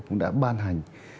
cũng đã ban hành